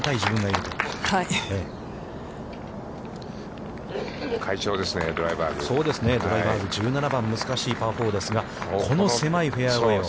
そうですね、１７番、難しいパー４ですが、この狭いフェアウェイを。